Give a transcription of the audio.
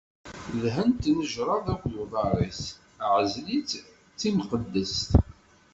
Dhen tnejṛa akked uḍar-is, ɛzel-itt d timqeddest.